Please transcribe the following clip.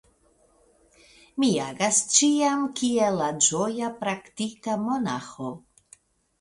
Mi agas ĉiam kiel la ĝoja praktika monaĥo.